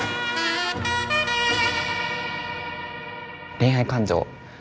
恋愛感情。